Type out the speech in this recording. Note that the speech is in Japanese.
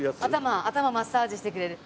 頭マッサージしてくれる。